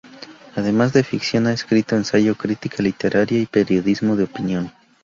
Además de ficción ha escrito ensayo, crítica literaria y periodismo de opinión.